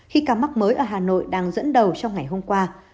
khi ca mắc mới ở hà nội đang dẫn đầu trong ngày hôm qua